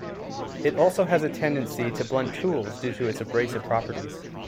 It also has a tendency to blunt tools due to its abrasive properties.